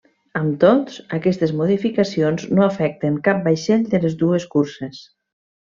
Amb tots, aquestes modificacions no afecten cap vaixell de les dues curses.